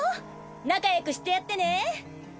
仲よくしてやってね。